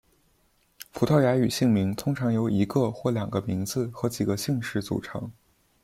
葡萄牙语姓名通常由一个或两个名字和几个姓氏组成。